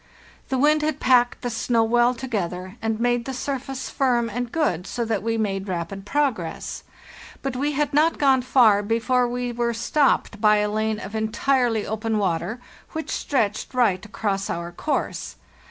The wind had packed the snow well together, and made the surface firm and good, so that we made rapid progress; but we had not gone far before we were stopped by a lane of entirely open water which stretched right across our course.